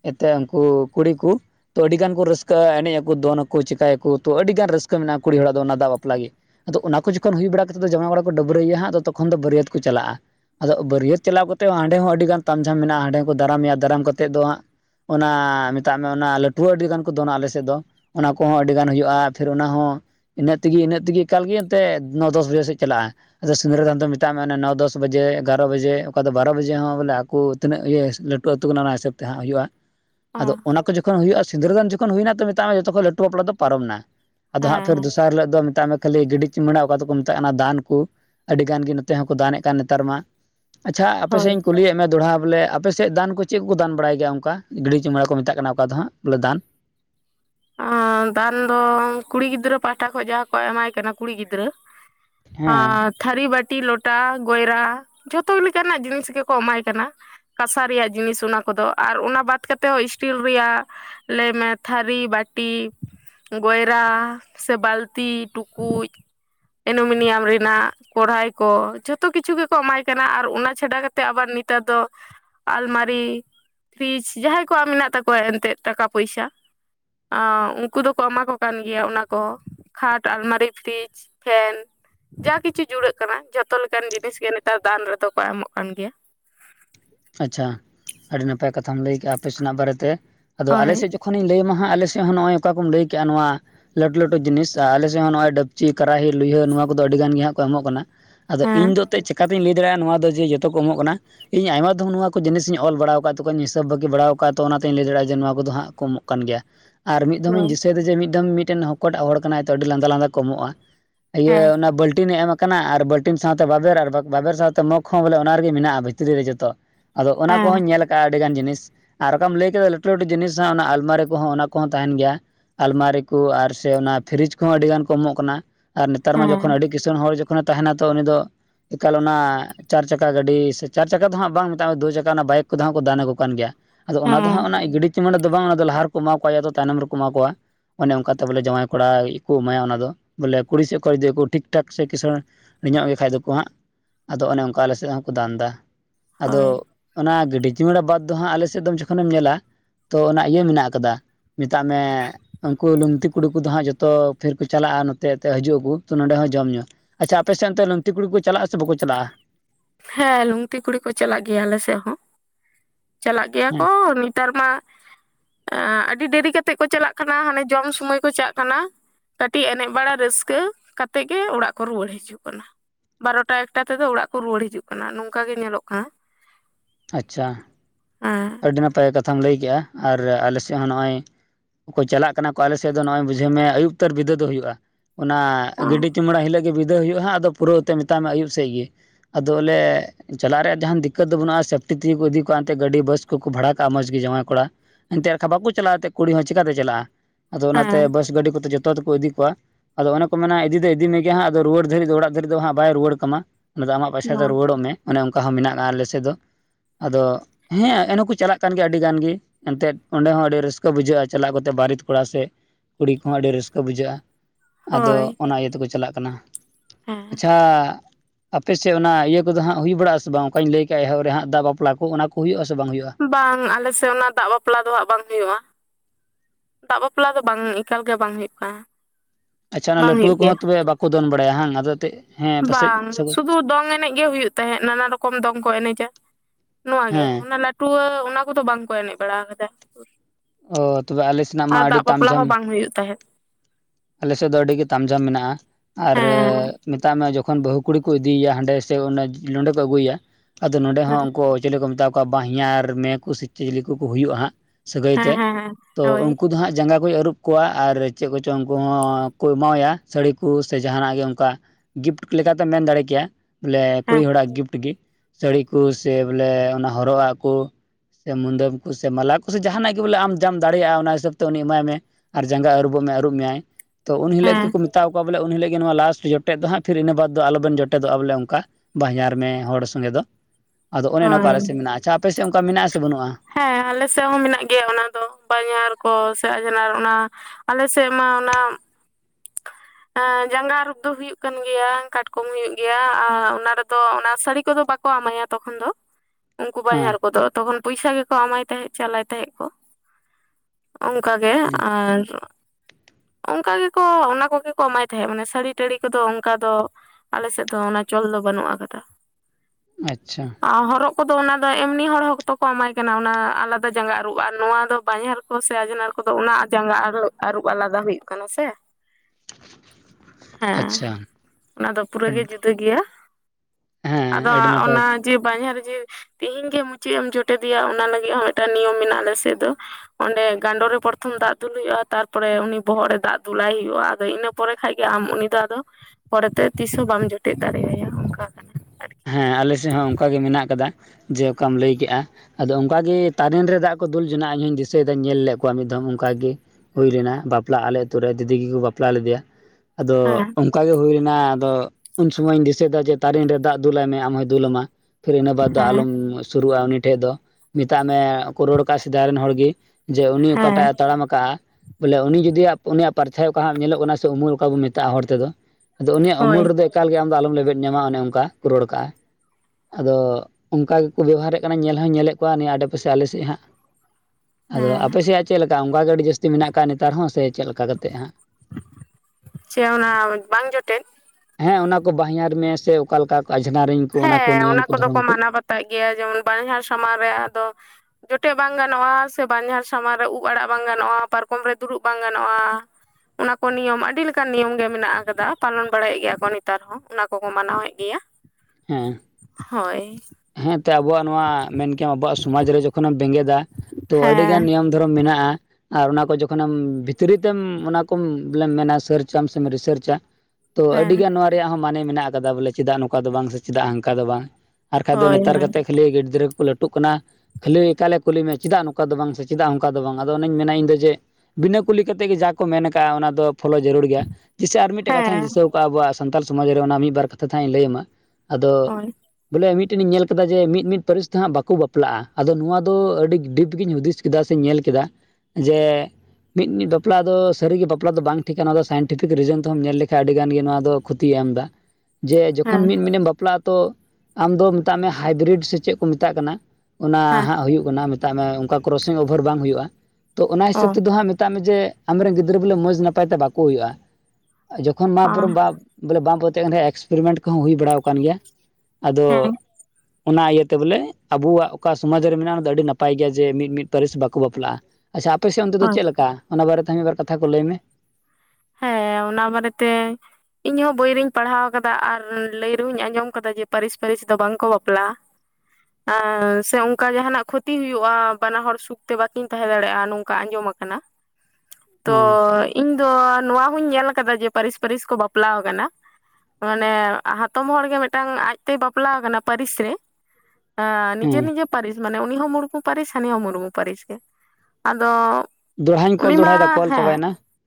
ᱮᱛᱮ ᱩᱱᱠᱩ ᱠᱩᱲᱤ ᱠᱚ ᱛᱚ ᱟᱹᱰᱤᱜᱟᱱ ᱠᱚ ᱨᱟᱹᱥᱠᱟᱹᱜᱼᱟ ᱮᱱᱮᱡ ᱟᱠᱚ ᱫᱚᱱ ᱟᱠᱚ ᱪᱮᱤᱠᱟᱹᱭ ᱟᱠᱚ ᱛᱚ ᱟᱹᱰᱤᱜᱟᱱ ᱨᱟᱹᱥᱠᱟᱹ ᱢᱮᱱᱟᱜᱼᱟ ᱠᱩᱲᱤ ᱦᱚᱲᱟᱜ ᱫᱚ ᱚᱱᱟ ᱫᱟᱜ ᱵᱟᱯᱞᱟ ᱜᱮ ᱟᱫᱚ ᱚᱱᱟ ᱠᱚ ᱡᱚᱠᱷᱚᱱ ᱦᱩᱭ ᱵᱟᱲᱟ ᱠᱟᱛᱮ ᱡᱟᱶᱟ ᱠᱚᱲᱟ ᱠᱚ ᱰᱟᱹᱵᱽᱨᱟᱹᱭᱟ ᱟᱫᱚ ᱛᱚᱠᱷᱚᱱ ᱫᱚ ᱵᱟᱹᱨᱭᱟᱹᱛ ᱠᱚ ᱪᱟᱞᱟᱜᱼᱟ ᱟᱫᱚ ᱵᱟᱹᱨᱭᱟᱹᱛ ᱪᱟᱞᱟᱣ ᱠᱟᱛᱮ ᱦᱟᱸᱰᱮ ᱦᱚᱸ ᱟᱹᱰᱤ ᱜᱟᱱ ᱛᱟᱢᱡᱷᱟᱢ ᱢᱮᱱᱟᱜᱼᱟ ᱦᱟᱸᱰᱮ ᱠᱚ ᱫᱟᱨᱟᱢᱮᱭᱟ ᱫᱟᱨᱟᱢ ᱠᱟ ᱠᱟᱛᱮᱫ ᱫᱚ ᱦᱟᱸᱜ ᱚᱱᱟ ᱢᱮᱛᱟᱜ ᱢᱮ ᱚᱱᱟ ᱞᱟᱹᱴᱩ ᱯᱩᱨᱟᱹ ᱟᱹᱰᱤᱜᱟᱱ ᱠᱚ ᱫᱚᱱᱟ ᱟᱞᱮ ᱥᱮᱫ ᱫᱚ ᱚᱱᱟ ᱠᱚᱦᱚᱸ ᱟᱹᱰᱤᱜᱟᱱ ᱦᱩᱭᱩᱜᱼᱟ ᱯᱷᱤᱨ ᱚᱱᱟ ᱦᱚᱸ ᱤᱱᱟᱹ ᱛᱮᱜᱮ ᱤᱱᱟᱹ ᱛᱮᱜᱮ ᱮᱠᱟᱞ ᱜᱮ ᱮᱱᱛᱮ ᱱᱚ ᱫᱚᱥ ᱵᱟᱡᱮ ᱥᱮᱫ ᱪᱟᱞᱟᱜᱼᱟ ᱟᱫᱚ ᱥᱤᱸᱨᱟᱹ ᱫᱟᱱ ᱫᱚ ᱢᱮᱛᱟᱜ ᱢᱮ ᱱᱚ ᱫᱚᱥ ᱵᱟᱡᱮ ᱮᱜᱟᱨᱚ ᱵᱟᱡᱮ ᱚᱠᱟ ᱫᱚ ᱵᱟᱨᱚ ᱵᱟᱡᱮ ᱦᱚᱸ ᱵᱚᱞᱮ ᱟᱠᱚ ᱛᱤᱱᱟᱹᱜ ᱤᱭᱟᱹ ᱞᱟᱹᱴᱩ ᱟᱹᱛᱩ ᱠᱟᱱᱟ ᱚᱱᱟ ᱦᱤᱥᱟᱹᱵ ᱛᱮ ᱦᱟᱸᱟᱜ ᱦᱩᱭᱩᱜᱼᱟ [inaudible] ᱟᱫᱚ ᱚᱱᱟ ᱠᱚ ᱡᱚᱠᱷᱚᱱ ᱦᱩᱭᱩᱜᱼᱟ ᱥᱤᱸᱫᱨᱟᱹ ᱫᱟᱱ ᱡᱚᱠᱷᱚᱱ ᱦᱩᱭᱱᱟ ᱛᱚ ᱢᱮᱛᱟᱜ ᱢᱮ ᱡᱚᱛᱚ ᱠᱷᱚᱱ ᱞᱟᱹᱴᱩ ᱵᱟᱯᱞᱟ ᱫᱚ ᱯᱟᱨᱚᱢᱱᱟ ᱟᱫᱚ ᱦᱟᱸᱜ ᱯᱷᱮᱨ ᱦᱮᱸ ᱫᱚᱥᱟᱨ ᱦᱤᱞᱳᱜ ᱫᱚ ᱢᱮᱛ ᱢᱮ ᱠᱷᱟᱹᱞᱤ ᱜᱟᱹᱰᱤ ᱪᱩᱢᱟᱹᱲᱟ ᱚᱠᱟ ᱫᱚ ᱠᱚ ᱢᱮᱛᱟᱜ ᱠᱟᱱᱟ ᱫᱟᱱ ᱠᱚ ᱟᱹᱰᱤᱜᱟᱱ ᱜᱮ ᱱᱚᱛᱮ ᱦᱚᱸᱠᱚ ᱫᱟᱱᱮᱫ ᱠᱟᱱ ᱱᱮᱛᱟᱨ ᱢᱟ ᱟᱪᱪᱷᱟ ᱟᱯᱮ ᱥᱮᱫ ᱦᱳᱭ ᱤᱧ ᱠᱩᱞᱤᱭᱮᱫ ᱢᱮ ᱫᱚᱲᱦᱟ ᱵᱚᱞᱮ ᱟᱯᱮ ᱪᱮᱫ ᱫᱟᱱ ᱠᱚ ᱪᱮᱫ ᱠᱚ ᱫᱟᱱ ᱵᱟᱲᱟᱭ ᱜᱮᱭᱟ ᱚᱱᱠᱟ ᱜᱤ ᱪᱩᱢᱟᱹᱲᱟ ᱠᱚ ᱢᱮᱛᱟᱜ ᱠᱟᱱᱟ ᱚᱠᱟ ᱫᱚ ᱦᱟᱸᱜ ᱵᱚᱞᱮ ᱫᱟᱱ ᱫᱟᱱ ᱫᱚ ᱠᱩᱲᱤ ᱜᱤᱫᱽᱨᱟᱹ ᱯᱟᱦᱴᱟ ᱠᱷᱚᱱ ᱡᱟᱦᱟᱸ ᱠᱚ ᱮᱢᱟᱭ ᱠᱟᱱᱟ ᱠᱩᱲᱤ ᱜᱤᱫᱽᱨᱟᱹ ᱦᱮᱸ ᱟᱨ ᱛᱷᱟᱹᱨᱤ ᱵᱟᱹᱴᱤ ᱞᱚᱴᱟ ᱜᱚᱭᱨᱟ ᱡᱷᱚᱛᱚ ᱞᱮᱠᱟᱱᱟᱜ ᱡᱤᱱᱤᱥ ᱜᱮ ᱠᱚ ᱮᱢᱟᱭ ᱠᱟᱱᱟ ᱠᱟᱥᱟ ᱨᱮᱭᱟᱜ ᱡᱤᱱᱤᱥ ᱚᱱᱟ ᱠᱚ ᱫᱚ ᱟᱨ ᱚᱱᱟ ᱵᱟᱫ ᱠᱟᱛᱮᱫ ᱦᱚᱸ ᱤᱥᱴᱤᱞ ᱨᱮᱭᱟᱜ ᱞᱮ ᱢᱮ ᱛᱷᱟᱨᱤ ᱵᱟᱴᱤ ᱴᱤ ᱜᱚᱭᱨᱟ ᱥᱮ ᱵᱟᱹᱞᱛᱤ ᱴᱩᱠᱩᱡ ᱮᱞᱩᱢᱤᱱᱤᱭᱟᱢ ᱨᱮᱱᱟᱜ ᱠᱚᱲᱦᱟᱭ ᱠᱚ ᱡᱷᱚᱛᱚ ᱠᱤᱪᱷᱩ ᱜᱮ ᱠᱚ ᱮᱢᱟᱭ ᱠᱟᱱᱟ ᱟᱨ ᱚᱱᱟ ᱪᱷᱟᱰᱟ ᱠᱟᱛᱮᱫ ᱛᱮ ᱟᱵᱟᱨ ᱱᱮᱛᱟᱨ ᱫᱚ ᱟᱞᱢᱟᱨᱤ ᱯᱷᱨᱤᱡᱽ ᱡᱟᱦᱟᱸᱭ ᱠᱚᱣᱟᱜ ᱢᱮᱱᱟᱜ ᱛᱟᱠᱚᱣᱟ ᱮᱱᱛᱮᱫ ᱴᱟᱠᱟ ᱯᱚᱭᱥᱟ ᱩᱱᱠᱩ ᱫᱚ ᱠᱚ ᱮᱢᱟ ᱠᱚ ᱠᱟᱱ ᱜᱮᱭᱟ ᱚᱱᱟ ᱠᱚ ᱠᱷᱟᱴ ᱟᱞᱢᱟᱨᱤ ᱯᱷᱨᱤᱡᱽ ᱯᱷᱮᱱ ᱡᱟ ᱠᱤᱪᱷᱩ ᱡᱩᱲᱟᱹᱜ ᱠᱟᱱᱟ ᱡᱷᱚᱛᱚ ᱞᱮᱠᱟᱱ ᱡᱤᱱᱤᱥ ᱜᱮ ᱱᱮᱛᱟᱨ ᱫᱟᱱ ᱨᱮ ᱫᱚ ᱠᱚ ᱮᱢᱚᱜ ᱠᱟᱱ ᱜᱮᱭᱟ‌᱾ ᱟᱪᱪᱷᱟ ᱟᱹᱰᱤ ᱱᱟᱯᱟᱭ ᱠᱟᱛᱷᱟᱢ ᱞᱟᱹᱭ ᱠᱮᱫᱮᱜᱼᱟ ᱟᱯᱮ ᱥᱮᱱᱟᱜ ᱵᱟᱨᱮᱛᱮ ᱟᱫᱚ ᱦᱳᱭ ᱟᱞᱮᱥᱮᱫ ᱡᱚᱠᱷᱚᱱ ᱠᱷᱚᱱᱤᱧ ᱞᱟᱹᱭᱟᱢᱟ ᱦᱟᱸᱜ ᱟᱞᱮᱫ ᱦᱚᱸ ᱱᱚᱜᱼᱚᱭ ᱚᱠᱟ ᱠᱚᱢ ᱞᱟᱹᱭ ᱠᱮᱜᱼᱟ ᱱᱚᱣᱟ ᱞᱟᱹᱴᱩ ᱞᱟᱹᱴᱩ ᱡᱤᱱᱤᱥ ᱟᱨ ᱟᱞᱮ ᱥᱮᱫ ᱦᱚᱸ ᱱᱚᱜᱼᱚᱭ ᱰᱮᱠᱪᱤ ᱠᱟᱨᱟᱦᱤ ᱞᱩᱭᱦᱟᱹ ᱱᱚᱣᱟ ᱠᱚ ᱫᱚ ᱟᱹᱰᱤ ᱜᱟᱱ ᱜᱮ ᱦᱟᱸᱜ ᱠᱚ ᱮᱢᱚᱜ ᱠᱟᱱᱟ ᱟᱫᱚ ᱤᱧ ᱦᱮᱸ ᱫᱚ ᱮᱱᱛᱮᱫ ᱪᱮᱠᱟ ᱛᱤᱧ ᱞᱟᱹᱭ ᱫᱟᱲᱮᱭᱟᱜᱼᱟ ᱱᱚᱣᱟ ᱫᱚ ᱡᱮ ᱡᱚᱛᱚ ᱠᱚ ᱮᱢᱚᱜ ᱠᱟᱱᱟ ᱤᱧ ᱟᱭᱢᱟ ᱱᱚᱣᱟ ᱠᱚ ᱡᱤᱱᱤᱥ ᱤᱧ ᱚᱞ ᱵᱟᱲᱟ ᱟᱠᱟᱫ ᱛᱠᱚᱣᱟᱧ ᱦᱤᱥᱟᱹᱵᱽ ᱵᱷᱟᱹᱜᱤ ᱵᱟᱲᱟᱟᱣ ᱟᱠᱟᱫ ᱛᱚ ᱚᱱᱟᱛᱮᱧ ᱞᱟᱹᱭ ᱫᱟᱲᱮᱭᱟᱜᱼᱟ ᱡᱮ ᱱᱚᱣᱟ ᱠᱚ ᱫᱚ ᱦᱟᱸᱜ ᱠᱚ ᱮᱢᱚᱜ ᱠᱟᱱ ᱜᱮᱭᱟ ᱟᱨ ᱢᱤᱫ ᱫᱷᱢ ᱤᱧ ᱦᱳᱭ ᱫᱤᱥᱟᱹᱭ ᱮᱫᱟ ᱡᱮ ᱢᱤᱫ ᱫᱚᱢ ᱢᱤᱫᱴᱟᱝ ᱦᱚᱠᱚᱴᱟᱜ ᱦᱚᱲ ᱠᱟᱱᱟᱭ ᱛᱚ ᱟᱹᱰᱤ ᱞᱟᱸᱫᱟ ᱞᱟᱸᱫᱟ ᱠᱚ ᱮᱢᱚᱜᱼᱟ ᱦᱮᱸ ᱤᱭᱟᱹ ᱚᱱᱟ ᱵᱟᱹᱞᱴᱤᱱ ᱮ ᱮᱢᱟ ᱠᱟᱱᱟ ᱟᱨ ᱵᱟᱟᱹᱴᱤᱢ ᱥᱟᱶᱛᱮ ᱵᱟᱵᱮᱨ ᱟᱨ ᱵᱟᱵᱮᱨ ᱥᱟᱶᱛᱮ ᱢᱚᱜᱽ ᱦᱚᱸ ᱵᱚᱞᱮ ᱚᱱᱟ ᱨᱮᱜᱮ ᱢᱮᱱᱟᱜᱼᱟ ᱵᱷᱤᱛᱨᱤ ᱨᱮ ᱡᱚᱛᱚ ᱟᱫᱚ ᱚᱱᱟ ᱦᱮᱸ ᱠᱚᱦᱚᱸᱧ ᱧᱮᱞ ᱟᱠᱟᱫᱼᱟ ᱟᱹᱰᱤᱜᱟᱱ ᱡᱤᱱᱤᱥ ᱟᱨ ᱚᱠᱟᱢ ᱞᱟᱹᱭ ᱠᱮᱫᱟ ᱞᱟᱹᱴᱩ ᱞᱟᱹᱴᱩ ᱡᱤᱱᱤᱥ ᱚᱱᱟ ᱟᱞᱢᱟᱨᱤ ᱠᱚᱦᱚᱸ ᱚᱱᱟ ᱠᱚᱦᱚᱸ ᱛᱟᱦᱮᱱ ᱜᱮᱭᱟ ᱟᱞᱢᱟᱨᱤ ᱠᱚ ᱟᱨ ᱥᱮ ᱚᱱᱟ ᱯᱷᱨᱤᱡᱽ ᱠᱚᱦᱚᱸ ᱟᱹᱰᱤᱜᱟᱱ ᱠᱚ ᱮᱢᱚᱜ ᱠᱟᱱᱟ ᱟᱨ ᱱᱮᱛᱟᱨ ᱢᱟ ᱦᱮᱸ ᱡᱚᱠᱷᱚᱱ ᱟᱹᱰᱤ ᱠᱤᱥᱥᱩᱱ ᱦᱚᱲ ᱡᱚᱠᱷᱚᱱᱮ ᱛᱟᱦᱮᱱᱟ ᱛᱚ ᱩᱱᱤ ᱫᱚ ᱮᱠᱟᱞ ᱚᱱᱟ ᱪᱟᱨ ᱪᱟᱠᱟ ᱜᱟᱹᱰᱤ ᱥᱮ ᱪᱟᱨ ᱪᱟᱠᱟ ᱫᱚᱦᱟᱸᱜ ᱵᱟᱝ ᱫᱩ ᱪᱟᱠᱟ ᱚᱱᱟ ᱵᱟᱭᱤᱠ ᱠᱚᱫᱚ ᱠᱚ ᱫᱟᱱ ᱟᱠᱚ ᱠᱟᱱ ᱜᱮᱭᱟ ᱟᱫᱚ ᱚᱱᱟ ᱫᱚ ᱦᱮᱸ ᱦᱟᱸᱜ ᱚᱱᱟ ᱜᱤᱰᱤ ᱱᱚᱸᱰᱮ ᱫᱚ ᱵᱟᱝ ᱚᱱᱟ ᱫᱚ ᱞᱟᱦᱟ ᱨᱮᱠᱚ ᱮᱢᱟ ᱠᱚᱣᱟ ᱡᱭᱟᱚ ᱛᱟᱭᱱᱚᱢ ᱨᱮᱠᱚ ᱮᱢᱟ ᱠᱚᱣᱟ ᱚᱱᱮ ᱚᱱᱠᱟᱛᱮ ᱵᱚᱞᱮ ᱡᱟᱶᱟᱭ ᱠᱚᱲᱟ ᱜᱮ ᱠᱚ ᱮᱢᱟᱭᱟ ᱚᱱᱟ ᱫᱚ ᱵᱚᱞᱮ ᱠᱩᱲᱤ ᱥᱮᱮᱫ ᱠᱷᱚᱱ ᱡᱩᱫᱤ ᱴᱷᱤᱠ ᱴᱷᱟᱠ ᱥᱮ ᱠᱸᱟᱹᱬ ᱦᱤᱲᱧ ᱧᱚᱜ ᱜᱮ ᱠᱷᱟᱱᱡ ᱫᱚᱠᱚ ᱦᱟᱸᱜ ᱟᱫᱚ ᱚᱱᱮ ᱚᱱᱠᱟ ᱟᱞᱮ ᱥᱮᱫ ᱦᱚᱸᱠᱚ ᱫᱟᱱ ᱮᱫᱟ ᱟᱫᱚ ᱦᱳᱭ ᱚᱱᱟ ᱜᱟᱹᱰᱤ ᱪᱩᱢᱟᱹᱲᱟ ᱵᱟᱫᱽ ᱫᱚ ᱦᱟᱸᱜ ᱟᱞᱮ ᱥᱮᱫ ᱫᱚ ᱡᱚᱠᱷᱚᱱᱮᱢ ᱧᱮᱞᱟ ᱛᱚ ᱚᱱᱟ ᱤᱭᱟᱹ ᱢᱮᱱᱟᱜ ᱠᱟᱫᱟ ᱢᱮᱛᱟᱜ ᱢᱮ ᱩᱱᱠᱩ ᱞᱩᱝᱛᱤ ᱠᱩᱲᱤ ᱠᱚᱫᱚ ᱦᱟᱸᱜ ᱡᱚᱛᱚ ᱯᱷᱤᱨ ᱠᱚ ᱪᱟᱞᱟᱜᱼᱟ ᱱᱚᱛᱮᱛᱮ ᱦᱤᱡᱩᱜᱼᱟᱚ ᱛᱚ ᱱᱚᱸᱰᱮ ᱦᱚᱸ ᱡᱚᱢ ᱧᱩ ᱟᱪᱪᱷᱟ ᱟᱯᱮᱥᱮᱫ ᱚᱱᱛᱮ ᱞᱠᱛᱤ ᱠᱩᱲᱤ ᱠᱚ ᱪᱟᱞᱟᱜ ᱥᱮ ᱵᱟᱠᱚ ᱪᱟᱞᱟᱜᱼᱟ ᱦᱮᱸ ᱞᱩᱝᱛᱤ ᱠᱩᱲᱤ ᱠᱚ ᱪᱟᱞᱟᱜ ᱜᱮᱭᱟ ᱟᱞᱮ ᱥᱮᱫ ᱦᱚᱸ ᱪᱟᱞᱟᱜ ᱜᱮᱭᱟ ᱦᱮᱸ ᱠᱚ ᱱᱮᱛᱟᱨ ᱢᱟ ᱮ ᱟᱹᱰᱤ ᱫᱮᱨᱤ ᱠᱟ ᱠᱟᱛᱮᱜ ᱠᱚ ᱪᱟᱞᱟᱜ ᱠᱟᱱᱟ ᱦᱟᱱᱮ ᱡᱚᱢ ᱥᱩᱢᱚᱭ ᱠᱚ ᱪᱟᱞᱟᱜ ᱠᱟᱱᱟ ᱠᱟᱹᱴᱤᱡ ᱮᱱᱮᱡ ᱵᱟᱲᱟ ᱨᱟᱹᱥᱠᱟᱹ ᱠᱟᱛᱮᱮᱫ ᱜᱮ ᱚᱲᱟᱜ ᱠᱚ ᱨᱩᱣᱟᱹᱲ ᱦᱤᱡᱩᱜ ᱠᱟᱱᱟ ᱵᱟᱨᱚᱴᱟ ᱮᱠᱴᱟ ᱛᱮᱫᱚ ᱚᱲᱟᱜ ᱠᱚ ᱨᱩᱣᱟᱹᱲ ᱦᱤᱡᱩᱜ ᱠᱟᱱᱟ ᱱᱚᱝᱠᱟ ᱜᱮ ᱧᱮᱞᱚᱜ ᱠᱟᱱᱟ ᱟᱪᱪᱷᱟ ᱟᱸ ᱟᱹᱰᱤ ᱱᱟᱯᱟᱭ ᱠᱟᱛᱷᱟᱢ ᱞᱟᱹᱭ ᱠᱮᱫᱼᱟ ᱟᱨ ᱟᱞᱮᱮᱥᱮᱫ ᱦᱚᱸ ᱱᱚᱜᱼᱚᱭ ᱪᱟᱞᱟᱜ ᱠᱟᱱᱟ ᱠᱚ ᱟᱞᱮ ᱥᱮᱫ ᱫᱚ ᱱᱚᱜᱼᱚᱭ ᱵᱩᱡᱷᱟᱹᱣ ᱢᱮ ᱟᱹᱭᱩᱵᱛᱟᱹᱨ ᱵᱤᱫᱟᱹ ᱫᱚ ᱦᱩᱭᱩᱜᱼᱟ ᱚᱱᱟ ᱜᱤᱰᱤ ᱪᱩᱢᱲᱟ ᱦᱤᱞᱳᱜ ᱜᱮ ᱵᱤᱫᱟᱹᱭ ᱦᱩᱭᱩᱜᱼᱟ ᱦᱜ ᱟᱫᱚ ᱯᱩᱨᱟᱹᱣ ᱛᱮ ᱢᱮᱛᱟᱢ ᱢᱮ ᱟᱹᱭᱩᱵ ᱥᱮᱫ ᱜᱮ ᱟᱫᱚ ᱵᱚᱞᱮ ᱪᱟᱞᱟᱜ ᱨᱮᱭᱟᱜ ᱡᱟᱦ ᱫᱤᱠᱠᱚᱛ ᱫᱚ ᱵᱟᱹᱱᱩᱜᱼᱟ ᱥᱮᱯᱴᱤ ᱛᱮᱜᱮ ᱠᱚ ᱤᱫᱤ ᱠᱚᱣᱟᱼᱟ ᱮᱛᱮ ᱜᱟᱹᱰᱤ ᱵᱟᱥ ᱠᱚ ᱵᱷᱟᱲᱟ ᱠᱟᱜᱼᱟ ᱢᱚᱸᱡᱽ ᱜᱮ ᱡᱟᱶᱟᱭ ᱠᱚᱲᱟ ᱮᱱᱛᱮ ᱟᱨᱠᱟᱱᱡ ᱵᱟᱠᱚ ᱪᱟᱞᱟᱜ ᱮᱱᱛᱮ ᱠᱩᱲᱤ ᱦᱚᱸ ᱪᱤᱠᱟᱛᱮ ᱪᱟᱞᱟᱜᱼᱟ ᱟᱫᱚ ᱦᱮᱸ ᱚᱱᱟᱛᱮ ᱵᱟᱥ ᱜᱟᱹᱰᱤ ᱠᱚᱛᱮ ᱡᱚᱛᱚ ᱛᱮᱠᱚ ᱤᱫᱤ ᱠᱚᱣᱟ ᱟᱫᱚ ᱮ ᱠᱚ ᱢᱮᱱᱟ ᱤᱫᱤ ᱫᱚ ᱤᱫᱤ ᱢᱮᱮᱜ ᱦᱟᱸᱜ ᱟᱫᱚ ᱨᱩᱣᱟᱹᱲ ᱫᱷᱟᱹᱨᱤᱡ ᱫᱚᱲᱟᱜ ᱫᱷᱤᱡ ᱫᱚ ᱦᱟᱸᱜ ᱵᱟᱭᱩᱩᱭᱣᱟᱹᱲ ᱠᱟᱢᱟ ᱚᱱᱟ ᱫᱚ ᱟᱢᱟᱜ ᱯᱚᱭᱥᱟ ᱛᱮ ᱵᱟᱝ ᱨᱩᱩᱭᱟᱹᱲᱚᱜ ᱢᱮ ᱚᱱᱮ ᱚᱱᱠᱟ ᱦᱚᱸ ᱢᱮᱱᱟᱜᱼᱟ ᱟᱞᱮᱥᱮᱫ ᱫᱚ ᱟᱫᱚ ᱦᱮᱸ ᱪᱟᱞᱟᱜ ᱠᱟᱱ ᱜᱮᱭᱟ ᱟᱹᱰᱤ ᱜᱟᱱ ᱜᱮ ᱮᱛᱮᱫ ᱚᱸᱰᱮ ᱦᱚᱸ ᱟᱹᱰᱤ ᱨᱟᱹᱥᱠᱟᱹ ᱵᱩᱡᱷᱟᱹᱜᱼᱟ ᱪᱟᱞᱟᱣ ᱠᱟᱛᱮ ᱵᱟᱨᱮᱛ ᱠᱚᱲᱟ ᱥᱮ ᱠᱩᱲᱤ ᱠᱚᱦᱚᱸ ᱟᱹᱰᱤ ᱨᱟᱹᱥᱠᱟᱹ ᱵᱩᱡᱷᱟᱹᱜᱼᱟ ᱟᱫᱚ ᱦᱳᱭ ᱚᱱᱟ ᱤᱭᱟᱹ ᱛᱮᱠᱚ ᱪᱟᱞᱟᱜ ᱠᱟᱱᱟ ᱦᱮᱸ ᱟᱪᱪᱷᱟ ᱟᱯᱮᱥᱮᱫ ᱚᱱᱟ ᱤᱭᱟᱹ ᱠᱚᱫᱚ ᱦᱟᱸᱜ ᱦᱩᱭ ᱵᱟᱲᱟᱜᱼᱟᱥᱮ ᱵᱟᱝ ᱚᱱᱠᱟᱧ ᱞᱟᱹᱭ ᱠᱟᱜᱼᱟ ᱮᱦᱚᱵ ᱨᱮ ᱦᱟᱸ ᱫᱟᱜ ᱵᱟᱯᱞᱟ ᱠᱚ ᱚᱱᱟ ᱠᱚ ᱦᱩᱭᱩᱜᱼᱟᱥ ᱥᱮ ᱵᱟᱝ ᱦᱩᱭᱩᱜᱼᱟ ᱵᱟᱝ ᱟᱞᱮᱥᱮᱫ ᱚᱱᱟ ᱫᱟᱜ ᱵᱟᱯᱞᱟ ᱫᱚ ᱦᱟᱜ ᱵᱟᱝ ᱦᱩᱭᱩᱜᱼᱟ ᱫᱟᱜ ᱵᱟᱯᱞᱟ ᱫᱚ ᱵᱟᱝ ᱮᱠᱟᱞ ᱜᱮ ᱵᱟᱝ ᱦᱩᱭᱩᱜᱼᱟ ᱟᱪᱪᱷᱟ ᱚᱱᱟ ᱞᱟᱹᱴᱩᱭᱟᱹ ᱠᱚᱦᱚᱸ ᱛᱚᱵᱮ ᱵᱟᱠᱚ ᱫᱚᱱ ᱵᱟᱲᱟᱭᱟ ᱵᱟᱝ ᱟᱫᱚ ᱮᱱᱮᱫ ᱵᱟᱝ ᱥᱩᱫᱷᱩ ᱫᱚᱝ ᱮᱱᱮᱡ ᱜᱮ ᱦᱩᱭᱩᱜ ᱛᱟᱦᱮᱸᱜ ᱱᱟᱱᱟ ᱨᱚᱠᱚᱢ ᱫᱚᱝ ᱠᱚ ᱮᱱᱮᱡᱟ ᱱᱚᱣᱟ ᱜᱮ ᱦᱮᱸ ᱞᱟᱹᱴᱩᱣᱟᱹ ᱟᱱᱠᱩ ᱫᱚ ᱵᱟᱝ ᱠᱚ ᱮᱱᱮᱡ ᱵᱟᱲᱟ ᱟᱠᱟᱫᱟ ᱚ ᱛᱚᱵᱮ ᱟᱞᱮ ᱥᱮᱱᱟᱜ ᱢᱟ ᱟᱨ ᱟᱹᱰᱤ ᱫᱟᱜ ᱵᱟᱯᱞᱟ ᱦᱚᱸ ᱵᱟᱝ ᱦᱩᱭᱩᱜ ᱛᱟᱦᱮᱸᱫ ᱟᱞᱮᱥᱮᱫ ᱫᱚ ᱟᱹᱰᱤᱜᱮ ᱛᱟᱢᱡᱟᱢ ᱢᱮᱱᱟᱜᱼᱟ ᱟᱨ ᱦᱮᱸ ᱢᱮᱛᱟᱜ ᱢᱮ ᱡᱚᱠᱷᱚᱱ ᱵᱟᱹᱦᱩ ᱠᱩᱲᱤ ᱠᱚ ᱤᱫᱤᱭᱮᱭᱟ ᱦᱟᱸᱰᱮ ᱥᱮ ᱚᱱᱟ ᱞᱸᱰᱮ ᱠᱚ ᱟᱹᱜᱩᱭᱮᱭᱟ ᱟᱫᱚ ᱱᱚᱸᱰᱮ ᱦᱚᱸ ᱦᱮᱸ ᱩᱱᱠᱩ ᱪᱤᱞᱤ ᱠᱚ ᱢᱮᱛᱟ ᱠᱚᱣᱟ ᱵᱟᱦᱚᱧᱟᱨ ᱢᱮ ᱠᱚ ᱪᱤᱞᱞᱤ ᱠᱚᱠᱚ ᱦᱩᱭᱩᱜᱼᱟ ᱦᱟᱸᱜ ᱥᱟᱹᱜᱟᱹᱭ ᱦᱮᱸ ᱛᱮ ᱦᱮᱸ ᱦᱮᱸ ᱛᱚ ᱦᱳᱭ ᱩᱱᱠᱩ ᱫᱚ ᱦᱟᱸᱜ ᱡᱟᱸᱜᱟ ᱠᱚ ᱟᱹᱨᱩᱵ ᱠᱚᱣᱟ ᱟᱨ ᱪᱮᱫ ᱠᱚ ᱡᱮ ᱩᱝᱠᱩ ᱦᱚᱸᱠᱚ ᱮᱢᱟᱣᱟᱭᱟ ᱥᱟᱹᱲᱤ ᱠᱚ ᱥᱮ ᱡᱟᱦᱟᱱᱟᱜ ᱜᱮ ᱚᱝᱠᱟ ᱜᱤᱯᱷᱴ ᱞᱮᱠᱟᱛᱮᱢ ᱢᱮᱱ ᱫᱟᱲᱮ ᱠᱮᱭᱟ ᱵᱚᱞᱮ ᱠᱩᱲᱤ ᱦᱮᱸ ᱦᱚᱲᱟᱜ ᱜᱤᱯᱷᱴ ᱜᱮ ᱥᱟᱹᱲᱤ ᱠᱚ ᱥᱮ ᱵᱚᱞᱮ ᱚᱱᱟ ᱦᱚᱨᱚᱜ ᱟᱜ ᱠᱚ ᱥᱮ ᱢᱩᱫᱟᱹᱢ ᱠᱚ ᱥᱮ ᱢᱟᱞᱟ ᱠᱚ ᱥᱮ ᱡᱟᱦᱟᱱᱟᱜ ᱜᱮ ᱵᱚᱞᱮ ᱟᱢ ᱡᱟᱢ ᱫᱟᱲᱮᱭᱟᱜᱼᱟ ᱚᱱᱟ ᱦᱤᱥᱟᱹᱵᱽ ᱛᱮ ᱩᱱᱤ ᱮᱢᱟᱭ ᱢᱮ ᱟᱨ ᱡᱟᱸᱜᱟ ᱟᱹᱨᱩᱵᱚᱜ ᱢᱮ ᱟᱹᱨᱩᱵ ᱢᱮᱭᱟᱭ ᱛᱚ ᱩᱱ ᱦᱤᱞᱳᱜ ᱦᱮᱸ ᱜᱮᱠᱚ ᱢᱮᱛᱟᱟᱣᱟ ᱠᱚᱣᱟ ᱵᱚᱞᱮ ᱩᱱ ᱦᱤᱞᱳᱜ ᱜᱮ ᱱᱚᱣᱟ ᱞᱟᱥᱴ ᱡᱚᱴᱮᱫ ᱦᱟᱸᱜ ᱯᱷᱤᱨ ᱤᱱᱟᱹ ᱵᱟᱫᱽ ᱫᱚ ᱟᱞᱚᱵᱮᱱ ᱡᱚᱴᱮᱫᱚᱜᱼᱟ ᱵᱚᱞᱮ ᱚᱝᱠᱟ ᱵᱟᱦᱚᱴᱧᱟᱨ ᱢᱮ ᱦᱚᱲ ᱥᱚᱸᱜᱮ ᱫᱚ, ᱟᱫᱚ ᱚᱱᱮ ᱚᱱᱟ ᱠᱚ ᱦᱳᱭ ᱟᱞᱮ ᱥᱮᱫ ᱢᱮᱱᱟᱜᱼᱟ, ᱟᱪᱪᱷᱟ ᱟᱯᱮ ᱥᱮᱫ ᱚᱝᱠᱟ ᱢᱮᱱᱟᱜᱼᱟ ᱥᱮ ᱵᱟᱹᱱᱩᱜᱼᱟ ᱦᱮᱸ ᱟᱞᱮ ᱥᱮᱫ ᱦᱚᱸ ᱢᱮᱱᱟᱜ ᱜᱮᱭᱟ ᱚᱱᱟ ᱫᱚ ᱵᱟᱦᱧᱟᱨ ᱠᱚ ᱥᱮ ᱟᱡᱱᱟᱨ ᱚᱱᱟ ᱟᱞᱮ ᱥᱮᱫ ᱢᱟ ᱚᱱᱟ ᱮᱸᱻ ᱡᱟᱸᱜᱟ ᱟᱹᱨᱩᱯ ᱫᱚ ᱦᱩᱭᱩᱜ ᱠᱟᱱ ᱜᱮᱭᱟ, ᱠᱟᱴᱠᱚᱢ ᱦᱩᱭᱩᱜ ᱜᱮᱭᱟ ᱟᱨ ᱚᱱᱟ ᱨᱮᱫᱚ ᱚᱱᱟ ᱥᱟᱹᱲᱤ ᱠᱚᱫᱚ ᱵᱟ ᱠᱚ ᱮᱢᱟᱭᱟ ᱛᱚᱠᱷᱚᱱ ᱫᱚ ᱩᱜᱠᱩ ᱦᱮᱸ ᱵᱟᱦᱧᱟᱨ ᱠᱚᱫᱚ ᱛᱚᱠᱷᱚᱱ ᱯᱚᱭᱥᱟ ᱜᱮᱠᱚ ᱮᱢᱟᱭ ᱛᱟᱦᱮᱸᱫ ᱪᱟᱞᱟᱭ ᱛᱟᱦᱮᱸᱜ ᱠᱚ᱾ ᱚᱱᱠᱟ ᱜᱮ ᱦᱮᱸ ᱟᱨ ᱚᱱᱠᱟ ᱜᱮᱠᱚ ᱚᱱᱟ ᱠᱚᱜᱮ ᱠᱚ ᱮᱢᱟᱭ ᱛᱟᱦᱮᱸᱫ ᱢᱟᱱᱮ ᱥᱟᱹᱲᱤᱻᱴᱟᱹᱲᱤ ᱠᱚᱫᱚ ᱚᱝᱠᱟ ᱫᱚ ᱟᱞᱮᱥᱮᱫ ᱫᱚ ᱚᱱᱟ ᱪᱚᱞ ᱫᱚ ᱵᱟᱹᱱᱩᱜ ᱟᱠᱟᱫᱟ᱾ ᱟᱪᱪᱷᱟ ᱟᱻ ᱦᱚᱨᱚᱜ ᱠᱚᱫᱚ ᱚᱱᱟ ᱫᱚ ᱮᱢᱱᱤ ᱦᱚᱲ ᱦᱚᱠᱛᱚ ᱠᱚ ᱮᱢᱟᱭ ᱠᱟᱱᱟ ᱚᱱᱟ ᱟᱞᱟᱫᱟ ᱡᱟᱸᱜᱟ ᱟᱹᱨᱩ ᱟᱨ ᱱᱚᱣᱟ ᱫᱚ ᱵᱟᱦᱧᱟᱨ ᱠᱚ ᱥᱮ ᱟᱡᱷᱱᱟᱨ ᱠᱚᱫᱚ ᱚᱱᱟ ᱡᱟᱸᱜᱟ ᱟᱹᱨᱩᱵ ᱟᱹᱨᱩᱵ ᱟᱞᱟ ᱫᱟ ᱦᱩᱭᱩᱜ ᱠᱟᱱᱟ ᱥᱮ, ᱦᱮᱸ ᱟᱪᱪᱷᱟ ᱚᱱᱟ ᱫᱚ ᱦᱮᱸ ᱯᱩᱨᱟᱹᱜᱮ ᱡᱩᱫ ᱡᱩᱫᱟᱹ ᱜᱮᱭᱟ ᱟᱫᱚ ᱟᱹᱰᱤ ᱱᱟᱯᱟᱭ ᱚᱱᱟ ᱡᱮ ᱵᱟᱦᱧᱟᱨ ᱨᱮ ᱡᱮ ᱛᱤᱦᱤᱧ ᱜᱮ ᱢᱩᱪᱟᱹᱫ ᱮᱢ ᱡᱚᱴᱮᱫᱮᱭᱟ ᱚᱱᱟ ᱞᱟᱹᱜᱤᱫ ᱦᱚᱸ ᱢᱤᱫᱴᱟᱱ ᱱᱤᱭᱚᱢ ᱢᱮᱱᱟᱜ-ᱟ ᱟᱞᱮ ᱥᱮᱫ ᱫᱚ ᱚᱸᱰᱮ ᱜᱟᱸᱰᱚ ᱨᱮ ᱯᱨᱚᱨᱚᱛᱷᱚᱢ ᱫᱟᱜ ᱫᱩᱞ ᱦᱩᱭᱩᱜᱼᱟ ᱛᱟᱨᱯᱚᱨᱮ ᱩᱱᱤ᱾ ᱵᱚᱦᱚᱜ ᱨᱮ ᱫᱟᱜ ᱫᱩᱞᱟᱭ ᱦᱩᱭᱩᱜᱼᱟ ᱟᱫᱚ ᱤᱱᱟᱹ ᱯᱚᱨᱮ ᱠᱷᱟᱡ ᱜᱮ ᱟᱢ ᱩᱱᱤ ᱫᱚ ᱟᱫᱚ ᱯᱚᱨᱮᱛᱮ ᱛᱤᱥ ᱦᱚᱸ ᱵᱟᱢ ᱡᱚᱴᱮᱫ ᱫᱟᱲᱮᱣᱟᱭᱟ ᱚᱝᱠᱟ ᱠᱟᱱᱟ ᱟᱨᱠᱤ ᱦᱮᱸ ᱟᱞᱮ ᱥᱮᱫ ᱦᱚᱸ ᱚᱝᱠᱟ ᱜᱮ ᱢᱮᱱᱟᱜ ᱟᱠᱟᱫᱟ ᱡᱮ ᱚᱠᱟᱢ ᱞᱟᱹᱭ ᱠᱮᱜᱼᱟ᱾ ᱟᱫᱚ ᱚᱝᱠᱟᱜᱮ ᱛᱟᱨᱮᱱ ᱨᱮ ᱫᱟᱜ ᱠᱚ ᱫᱩᱞ ᱡᱚᱱᱟᱜ-ᱟ ᱤᱧᱤᱧ ᱫᱤᱥᱟᱹᱭᱮᱫᱟ ᱧᱮᱞ ᱞᱮᱫ ᱠᱚᱣᱟ ᱢᱤᱫ ᱫᱷᱚᱢ ᱚᱝᱠᱟᱜ ᱜᱮ᱾ ᱦᱩᱭ ᱞᱮᱱᱟ ᱵᱟᱯᱞᱟ ᱟᱞᱮ ᱟᱛᱩᱨ ᱨᱮ ᱫᱤᱫᱤ ᱜᱮᱠᱚ ᱵᱟᱯᱞᱟ ᱞᱮᱫᱮᱭᱟ᱾ ᱟᱫᱚ ᱦᱮᱸ ᱚᱝᱠᱟ ᱜᱮ ᱦᱩᱭ ᱞᱮᱱᱟ ᱟᱫᱚ ᱩᱱ ᱥᱚᱢᱚᱭ ᱤᱧ ᱫᱤᱥᱟᱹᱭᱮᱫᱟ ᱡᱮ ᱛᱟᱨᱮᱱ ᱨᱮ ᱫᱟᱜ ᱫᱩᱞᱟᱭ ᱢᱮ ᱟᱢ ᱦᱚᱸᱭ ᱫᱩᱞ ᱟᱢᱟ ᱯᱷᱤᱨ ᱤᱱᱟᱹ ᱵᱟᱫᱽ ᱫᱚ ᱦᱮᱸ ᱟᱞᱚᱢ ᱥᱩᱨᱩᱜᱼᱟ ᱩᱱᱤ ᱴᱷᱮᱡ ᱫᱚ᱾ ᱢᱮᱛᱟᱜ ᱢᱮ ᱟᱠᱚ ᱨᱚᱲ ᱠᱫᱼᱟ ᱥᱮᱫᱟᱭ ᱨᱮᱱ ᱦᱚᱲᱜᱮ ᱡᱮ ᱩᱱᱤ ᱦᱮᱸ ᱚᱠᱟᱴᱟᱜᱼᱮ ᱛᱟᱲᱟᱢ ᱟᱠᱟᱜᱼᱟ᱾ ᱵᱚᱞᱮ ᱩᱱᱤ ᱡᱩᱫᱤᱭ ᱩᱱᱤᱭᱟᱜ ᱯᱟᱨᱪᱷᱟ ᱚᱠᱟ ᱧᱮᱞᱚᱜ ᱠᱟᱱᱟ ᱥᱮ ᱩᱢᱩᱞ ᱚᱠᱟ ᱵᱚᱱ ᱢᱮᱛᱟᱜᱼᱟ ᱦᱚ᱾ᱲ ᱛᱮᱫᱚ ᱟᱫᱚ ᱩᱱᱤᱭᱟᱜ ᱦᱳᱭ ᱩᱢᱩᱞ ᱨᱮᱫᱚ ᱮᱠᱟᱞ ᱜᱮ ᱟᱢ ᱫᱚ ᱟᱞᱚᱢ ᱞᱮᱵᱮᱫ ᱧᱟᱢᱟ ᱚᱱᱮ ᱚᱝᱠᱟ ᱠᱚ ᱨᱚᱲ ᱠᱟᱜᱼᱟ᱾ ᱟᱫᱚ ᱚᱱᱠᱟ ᱜᱮᱠᱚ ᱵᱮᱵᱚᱦᱟᱨᱮᱫ ᱠᱟᱱᱟ ᱧᱮᱞ ᱦᱚᱧ ᱧᱮᱞᱮᱫ ᱠᱚᱣᱟ ᱱᱤᱭᱟᱹ ᱟᱰᱮᱯᱟᱥᱮ ᱟᱞᱮ ᱥᱮᱡ ᱦᱟᱸᱜ᱾ ᱟᱫᱚ ᱦᱮᱸ ᱟᱯᱮᱥᱮᱭᱟᱜ ᱪᱮᱫ ᱞᱮᱠᱟ ᱚᱝᱠᱟ ᱜᱮ ᱟᱹᱰᱤ ᱡᱟᱹᱥᱛᱤ ᱢᱮᱱᱟᱜ ᱟᱠᱟᱜ ᱱᱮᱛᱟᱨ ᱦᱚᱸ ᱥᱮ ᱪᱮᱫ ᱞᱮᱠᱟ ᱠᱟᱛᱮᱜ ᱦᱟᱸᱜ ᱪᱮ ᱚᱱᱟ ᱵᱟᱝ ᱡᱚᱴᱮᱫ ᱦᱮᱸ ᱚᱱᱟ ᱠᱚ ᱵᱟᱦᱧᱟᱨ ᱢᱮ ᱥᱮ ᱚᱠᱟᱮᱠᱟ ᱟᱡᱽᱷᱱᱟᱨᱤᱧ ᱠᱚ ᱚᱱᱟ ᱠᱚ ᱱᱤᱭᱚᱢ ᱠᱚ ᱫᱷᱚᱨᱚᱢ ᱠᱩ ᱢᱮᱛᱟᱜ ᱜᱮᱭᱟ ᱡᱮᱢᱚᱱ ᱵᱟᱦᱧᱟᱨ ᱥᱟᱢᱟᱝ ᱨᱮ ᱟᱫᱚ ᱡᱚᱴᱮᱫ ᱵᱟᱝ ᱜᱟᱱᱚᱜᱼᱟ ᱥᱮ ᱵᱟᱦᱧᱟᱨ ᱥᱟᱢᱟᱝ ᱨᱮ ᱩᱵ ᱟᱲᱟᱜ ᱵᱟᱝ ᱜᱟᱱᱚᱜᱼᱟ, ᱥᱮ ᱯᱟᱨᱠᱚᱢ ᱨᱮ ᱫᱩᱲᱩᱵ ᱵᱟᱝ ᱜᱟᱱᱚᱜᱼᱟ ᱚᱱᱟ ᱠᱚ ᱱᱤᱭᱚᱢ ᱟᱹᱰᱤ ᱞᱮᱠᱟᱱ ᱱᱤᱭᱚᱢ ᱜᱮ ᱢᱮᱱᱟᱜ ᱟᱠᱟᱫᱟ ᱯᱟᱞᱚᱱ ᱵᱟᱲᱟᱭᱮᱷ ᱜᱮᱭᱟ ᱠᱚ ᱱᱮᱛᱟᱨ ᱦᱚᱸ ᱚᱱᱟ ᱠᱚᱠᱚ ᱢᱟᱱᱟᱣᱮᱫ ᱜᱮᱭᱟ ᱦᱮᱸ ᱦᱳᱭ ᱦᱮᱸ ᱮᱱᱛᱮ ᱟᱵᱚᱣᱟᱜ ᱱᱚᱣᱟ ᱢᱮᱱ ᱠᱮᱭᱟᱢ ᱟᱵᱚᱣᱟᱜ ᱥᱚᱢᱟᱡᱽ ᱨᱮ ᱡᱚᱠᱷᱚᱱᱮᱢ ᱵᱮᱸᱜᱮᱫᱟ ᱛᱚ ᱟᱹᱰᱤᱜᱟᱱ ᱦᱮᱸ ᱱᱤᱭᱚᱢ ᱫᱷᱚᱨᱚᱢ ᱢᱮᱱᱟᱜᱼᱟ ᱟᱨ ᱚᱱᱟ ᱠᱚ ᱡᱚᱠᱷᱚᱱᱮᱢ ᱵᱷᱤᱛᱨᱤ ᱛᱮᱢ ᱚᱱᱟ ᱠᱚᱢ ᱵᱚᱞᱮᱢ ᱢᱮᱱᱟ ᱥᱟᱹᱨᱪᱟᱢ ᱥᱮᱢ ᱨᱤᱥᱟᱹᱨᱪᱟ ᱛᱚ ᱦᱮᱸ ᱟᱹᱰᱤᱜᱟᱱ ᱱᱚᱣᱟ ᱨᱮᱭᱟᱜ ᱦᱚᱸ ᱢᱟᱱᱮ ᱢᱮᱱᱟᱜ ᱠᱟᱫᱟ ᱵᱚᱞᱮ ᱪᱮᱫᱟᱜ ᱱᱚᱝᱠᱟ ᱫᱚ ᱵᱟᱝ ᱥᱮ ᱪᱮᱫᱟᱜ ᱦᱟᱝᱠᱟ ᱫᱚ ᱵᱟᱝ ᱟᱨ ᱠᱷᱟᱡ ᱫᱚ ᱦᱳᱭ ᱱᱮᱛᱟᱨ ᱦᱳᱭ ᱠᱟᱛᱮᱫ ᱠᱷᱟᱹᱞᱤ ᱜᱤᱫᱽᱨᱟᱹ ᱠᱚᱠᱚ ᱞᱟᱹᱴᱩᱜ ᱠᱟᱱᱟ ᱠᱷᱟᱹᱞᱤ ᱮᱠᱟᱞᱮ ᱠᱩᱞᱤ ᱢᱮᱭᱟ ᱪᱮᱫᱟᱜ ᱱᱚᱝᱠᱟ ᱫᱚ ᱵᱟᱝ ᱥᱮ ᱪᱮᱫᱟᱜ ᱚᱝᱠᱟ ᱫᱚ ᱵᱟᱝ ᱟᱫᱚ ᱚᱱᱟᱧ ᱢᱮᱱᱟ ᱤᱧᱫᱚ ᱡᱮ ᱵᱤᱱᱟᱹ ᱠᱩᱞᱤ ᱠᱟᱛᱮᱫ ᱜᱮ ᱡᱟ ᱠᱚ ᱢᱮᱱ ᱟᱠᱟᱜᱼᱟ ᱚᱱᱟ ᱫᱚ ᱯᱷᱚᱞᱳ ᱡᱟᱹᱨᱩᱲ ᱜᱮᱭᱟ, ᱡᱮᱭᱥᱮ ᱟᱨ ᱢᱤᱫᱴᱮᱡ ᱠᱟᱛᱷᱟᱧ ᱦᱮᱸ ᱫᱤᱥᱟᱹᱣ ᱟᱠᱟᱜᱼᱟ ᱟᱵᱚᱣᱟᱜ ᱥᱟᱱᱛᱟᱞ ᱥᱚᱢᱟᱡᱽ ᱨᱮ ᱚᱱᱟ ᱢᱤᱫ ᱵᱟᱨ ᱠᱟᱛᱷᱟ ᱫᱚ ᱦᱟᱸᱜ ᱤᱧ ᱞᱟᱹᱭᱟᱢᱟ ᱟᱫᱚ ᱦᱳᱭ ᱵᱚᱞᱮ ᱢᱤᱫᱴᱮᱱᱤᱧ ᱧᱮᱞ ᱠᱮᱫᱟ ᱡᱮ ᱢᱤᱫ ᱯᱟᱹᱨᱤᱥ ᱫᱚ ᱦᱟᱸᱜ ᱵᱟᱠᱚ ᱵᱟᱯᱞᱟᱜᱼᱟ ᱟᱫᱚ ᱱᱚᱣᱟ ᱫᱚ ᱟᱹᱰᱤ ᱰᱤᱯᱛᱷ ᱜᱤᱧ ᱦᱩᱫᱤᱥ ᱠᱮᱫᱟ ᱥᱮᱧ ᱧᱮᱞ ᱠᱮᱫᱟ ᱡᱮᱻ ᱢᱤᱫ ᱢᱤᱫ ᱵᱟᱯᱞᱟ ᱫᱚ ᱥᱟᱹᱨᱤᱜᱮ ᱵᱟᱯᱞᱟ ᱫᱚ ᱵᱟᱝ ᱴᱷᱤᱠ ᱱᱚᱭᱟ ᱫᱚ ᱥᱟᱭᱮᱱᱴᱤᱯᱷᱤᱠ ᱨᱤᱡᱮᱱ ᱛᱮᱦᱚᱸ ᱧᱮᱞ ᱞᱮᱠᱷᱟᱡ ᱟᱹᱰᱤ ᱜᱟᱱ ᱜᱮ ᱱᱚᱣᱟ ᱫᱚ ᱠᱷᱩᱛᱤᱭ ᱮᱢ ᱮᱫᱟ ᱾ [inaudible] ᱡᱮ ᱡᱚᱠᱷᱚᱱ ᱦᱮᱸ ᱢᱤᱫ ᱢᱤᱫ ᱮᱢ ᱵᱟᱯᱞᱟᱜᱼᱟ ᱛᱚ ᱟᱢ ᱫᱚ ᱢᱮᱛᱟᱜ ᱢᱮ ᱦᱟᱭᱵᱨᱤᱰ ᱥᱮ ᱪᱮᱫ ᱠᱚ ᱢᱮᱛᱟᱜ ᱠᱟᱱᱟ? ᱚᱱᱟ ᱦᱮᱸ ᱦᱟᱸᱜ ᱦᱩᱭᱩᱜ ᱠᱟᱱᱟ ᱢᱮᱛᱟᱜ ᱢᱮ ᱚᱱᱠᱟ ᱠᱨᱚᱥᱤᱝ ᱳᱵᱷᱟᱨ ᱵᱟᱝ ᱦᱩᱭᱩᱜᱼᱟ ᱾ ᱛᱚ ᱚᱱᱟ ᱦᱤᱥᱟᱹᱵ ᱚ ᱛᱮ ᱫᱚ ᱦᱟᱸᱜ ᱢᱮᱛᱟᱜ ᱢᱮ ᱡᱮ ᱟᱢ ᱨᱮᱱ ᱜᱤᱫᱽᱨᱟᱹ ᱵᱚᱞᱮ ᱢᱚᱸᱡᱽ ᱱᱟᱯᱟᱭ ᱛᱮ ᱵᱟᱠᱚ ᱦᱩᱭᱩᱜᱼᱟ ᱾ ᱠᱷᱚᱱ ᱢᱟ [unintelligible] ᱚ ᱵᱚᱞᱮ ᱵᱟᱢ ᱯᱟᱹᱛᱭᱟᱹᱜ ᱠᱟᱱ ᱠᱷᱟᱡ ᱮᱠᱥᱯᱮᱨᱤᱢᱮᱱᱴ ᱠᱚᱦᱚᱸ ᱦᱩᱭ ᱵᱟᱲᱟ ᱟᱠᱟᱱ ᱜᱮᱭᱟ ᱾ ᱟᱫᱚᱼᱼ ᱦᱮᱸ ᱚᱱᱟ ᱤᱭᱟᱹᱛᱮ ᱵᱚᱞᱮ ᱟᱵᱚᱣᱟᱜ ᱚᱠᱟ ᱥᱚᱢᱟᱡᱽ ᱨᱮ ᱢᱮᱱᱟᱜᱼᱟ ᱚᱱᱟ ᱫᱚ ᱟᱹᱰᱤ ᱱᱟᱯᱟᱭ ᱜᱮᱭᱟ᱾ ᱡᱮ ᱢᱤᱫ ᱢᱤᱫ ᱯᱟᱹᱨᱤᱥ ᱵᱟᱠᱚ ᱵᱟᱯᱞᱟᱜᱼᱟ᱾ ᱟᱪᱪᱷᱟ ᱟᱯᱮ ᱥᱮᱫ ᱚᱱᱛᱮ ᱫᱚ ᱦᱳᱭ ᱪᱮᱫ ᱞᱮᱠᱟ ᱚᱱᱟ ᱵᱟᱨᱮᱛᱮ ᱢᱤᱫ ᱵᱟᱨ ᱠᱟᱛᱷᱟ ᱠᱚ ᱞᱟᱹᱭ ᱢᱮ ᱾ ᱦᱮᱸ ᱚᱱᱟ ᱵᱟᱨᱮ ᱛᱮ ᱼᱼ ᱤᱧ ᱦᱚᱸ ᱵᱳᱭ ᱨᱮᱤᱧ ᱯᱟᱲᱦᱟᱣ ᱟᱠᱟᱫᱟ ᱟᱨ ᱞᱟᱹᱭ ᱨᱮ ᱦᱩᱧ ᱟᱸᱡᱚᱢ ᱠᱟᱫᱟ ᱡᱮ ᱯᱟᱹᱨᱤᱥ ᱯᱟᱹᱨᱤᱥ ᱫᱚ ᱵᱟᱝ ᱠᱚ ᱵᱟᱯᱞᱟᱜᱼᱟ ᱾ [unintelligible] ᱥᱮ ᱚᱱᱠᱟ ᱡᱟᱦᱟᱱᱟᱜ ᱠᱷᱚᱛᱤ ᱦᱩᱭᱩᱜᱼᱟ ᱵᱟᱱᱟ ᱦᱚᱲ ᱥᱩᱠ ᱛᱮ ᱵᱟᱠᱤᱱ ᱛᱟᱦᱮᱸ ᱫᱟᱲᱮᱭᱟᱜᱼᱟ ᱱᱚᱝᱠᱟ ᱟᱸᱡᱚᱢᱟ ᱠᱟᱱᱟ ᱛᱚ ᱦᱮᱸ ᱤᱧ ᱫᱚ ᱱᱚᱶᱟ ᱦᱚᱸᱧ ᱧᱮᱞ ᱟᱠᱟᱫᱟ ᱡᱮ ᱯᱟᱹᱨᱤᱥ ᱯᱟᱹᱨᱤᱥ ᱠᱚ ᱵᱟᱯᱞᱟ ᱟᱠᱟᱱᱟ ᱾ ᱢᱟᱱᱮ ᱦᱟᱛᱚᱢ ᱦᱚᱲ ᱜᱮ ᱢᱤᱫᱴᱟᱝ ᱟᱡ ᱛᱮᱭ ᱵᱟᱯᱞᱟ ᱟᱠᱟᱱᱟ ᱯᱟᱹᱨᱤᱥ ᱨᱮ ᱟᱸ ᱱᱤᱡᱮ ᱦᱮᱸ ᱱᱤᱡᱮ ᱯᱟᱹᱨᱤᱥ ᱢᱟᱱᱮ ᱩᱱᱤ ᱦᱚᱸ ᱢᱩᱨᱢᱩ ᱯᱟᱹᱨᱤᱥ ᱦᱟᱹᱱᱤ ᱦᱚᱸ ᱢᱩᱨᱢᱩ ᱯᱟᱹᱨᱤᱥ ᱜᱮ ᱟᱫᱚ ᱫᱚᱲᱦᱟᱧ ᱩᱱᱤ ᱠᱚᱞ ᱢᱟ ᱫᱚᱲᱦᱟᱭᱮᱫᱟ ᱠᱚᱞ ᱦᱮᱸ ᱪᱟᱵᱟᱭᱮᱱᱟ ᱾